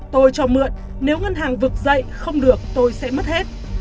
tôi cho mượn nếu ngân hàng vực dậy không được tôi sẽ mất hết